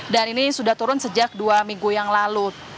dan ini sudah turun sejak dua minggu yang lalu